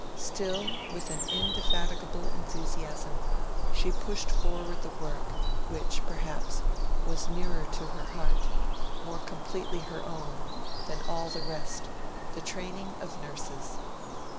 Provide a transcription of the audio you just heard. Still, with an indefatigable enthusiasm, she pushed forward the work, which, perhaps, was nearer to her heart, more completely her own, than all the rest the training of nurses.